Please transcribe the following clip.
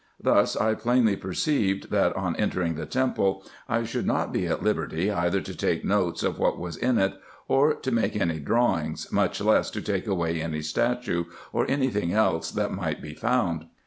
Thus I plainly o 2 100 RESEARCHES AND OPERATIONS perceived, that, on entering the temple, I should not be at liberty either to take notes of what was in it, or to make any drawings, much less to take away any statue, or any thing else that might be found.